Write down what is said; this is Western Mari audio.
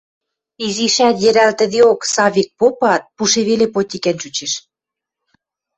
Изишӓт йӹрӓлтӹдеок, Савик попаат, пуше веле потикӓн чучеш.